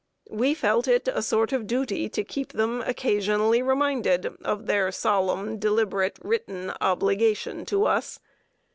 We felt it a sort of duty to keep them occasionally reminded of their solemn, deliberate, written obligation to us.